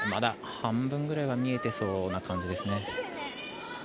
半分ぐらいは見えてそうな感じですね。